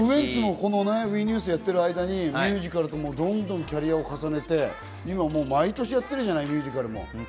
ウエンツもＷＥニュースをやってる間にミュージカルとかも、どんどんキャリアを重ねて、今、毎年やってるじゃない、ミュージカルも。